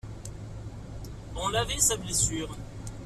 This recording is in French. On lavait sa blessure.